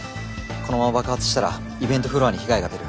このまま爆発したらイベントフロアに被害が出る。